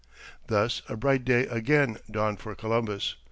Thus a bright day again dawned for Columbus.